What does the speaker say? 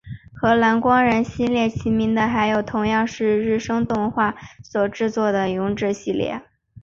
和蓝光人系列齐名的还有同样是日升动画所制作的勇者系列。